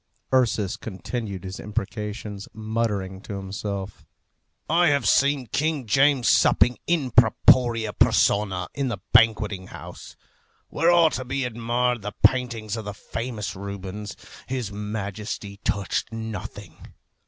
Ursus continued his imprecations, muttering to himself, "I have seen King James supping in propriâ personâ in the Banqueting House, where are to be admired the paintings of the famous Rubens. His Majesty touched nothing.